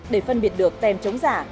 để phân biệt được tem chống giả